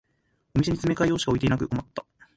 お店に詰め替え用しか置いてなくて困った